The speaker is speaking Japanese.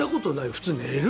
普通寝る？